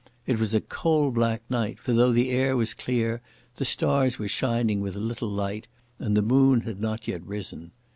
It was a coal black night, for though the air was clear the stars were shining with little light, and the moon had not yet risen.